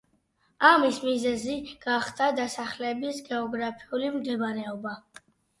ამის მიზეზი გახდა დასახლების გეოგრაფიული მდებარეობა.